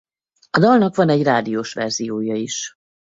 A dalnak van egy rádiós verziója is.